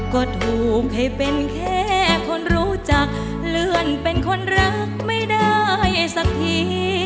ก็ถูกให้เป็นแค่คนรู้จักเลื่อนเป็นคนรักไม่ได้สักที